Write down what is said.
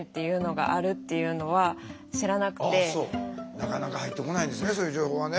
なかなか入ってこないですねそういう情報はね。